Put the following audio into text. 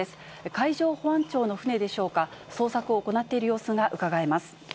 海上保安庁の船でしょうか、捜索を行っている様子がうかがえます。